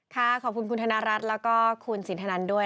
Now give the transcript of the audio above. ขอบคุณคุณธนรัฐแล้วก็คุณสินทนันด้วย